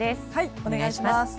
お願いします。